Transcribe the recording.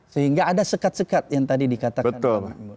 sehingga ada sekat sekat yang tadi dikatakan bang wimar